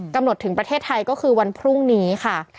ถึงประเทศไทยก็คือวันพรุ่งนี้ค่ะ